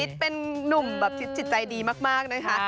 ต่อฤทธิ์เป็นนุ่มจิตใจดีมากนะคะ